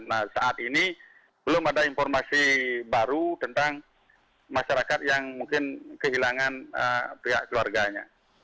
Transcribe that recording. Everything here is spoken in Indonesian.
nah saat ini belum ada informasi baru tentang masyarakat yang mungkin kehilangan pihak keluarganya